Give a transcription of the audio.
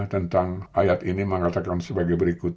tentang ayat ini mengatakan sebagai berikut